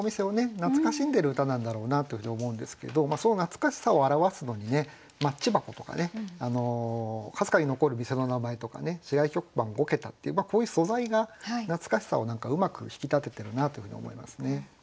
懐かしんでる歌なんだろうなというふうに思うんですけどその懐かしさを表すのに「マッチ箱」とかね「かすかに残る店の名前」とかね「市外局番五桁」っていうこういう素材が懐かしさを何かうまく引き立ててるなというふうに思いますね。